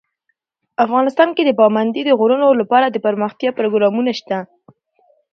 افغانستان کې د پابندي غرونو لپاره دپرمختیا پروګرامونه شته.